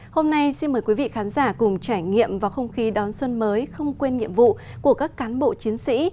hôm nay xin mời quý vị khán giả cùng trải nghiệm vào không khí đón xuân mới không quên nhiệm vụ của các cán bộ chiến sĩ